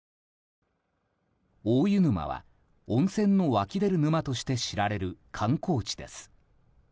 大湯沼は温泉の湧き出る沼として知られる観光地です。